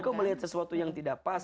aku melihat sesuatu yang tidak pas